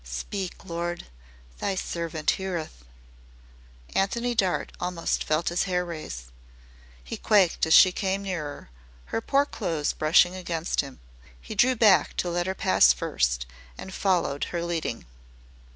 "Speak, Lord, thy servant 'eareth." Antony Dart almost felt his hair rise. He quaked as she came near, her poor clothes brushing against him. He drew back to let her pass first, and followed her leading.